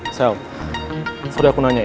michelle sudah aku nanya ya